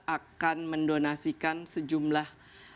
akan mendonasikan sejumlah